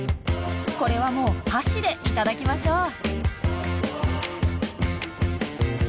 これはもう箸で頂きましょう。